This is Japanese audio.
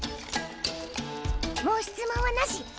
もう質問はなし。